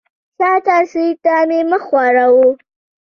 شاته سیټ ته مې مخ واړوه.